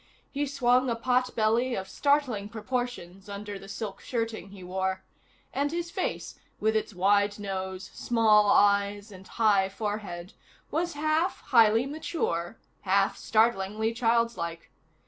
He swung a pot belly of startling proportions under the silk shirting he wore, and his face, with its wide nose, small eyes and high forehead, was half highly mature, half startlingly childlike.